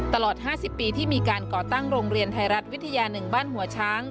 ตลอด๕๐ปีที่มีการก่อตั้งโรงเรียนไทยรัฐวิทยา๑บ้านหัวช้าง